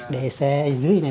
để xe ở dưới này